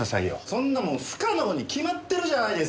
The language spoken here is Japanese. そんなもん不可能に決まってるじゃないですか！